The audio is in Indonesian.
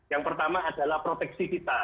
yang pertama adalah proteksi kita